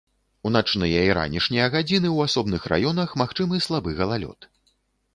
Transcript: У начныя і ранішнія гадзіны ў асобных раёнах магчымы слабы галалёд.